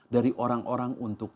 dari orang orang untuk